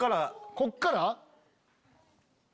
こっから？